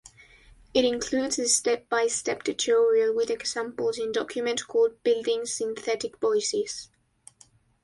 It includes a step-by-step tutorial with examples in document called "Building Synthetic Voices".